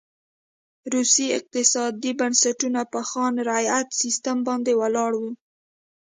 روسي اقتصادي بنسټونه په خان رعیت سیستم باندې ولاړ و.